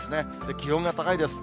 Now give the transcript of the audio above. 気温が高いです。